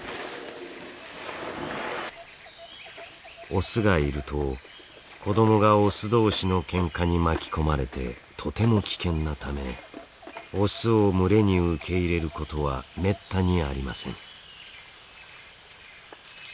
オスがいると子どもがオス同士のケンカに巻き込まれてとても危険なためオスを群れに受け入れることはめったにありません。